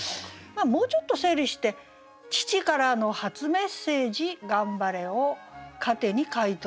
もうちょっと整理して「父からの初メッセージ『頑張れ』を糧に解答用紙を捲る」。